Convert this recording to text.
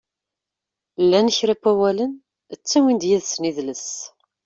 Llan kra n wawalen ttawin yid-sen idles.